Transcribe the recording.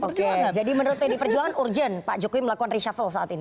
oke jadi menurut pd perjuangan urgent pak jokowi melakukan reshuffle saat ini